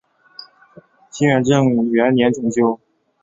清雍正元年重修。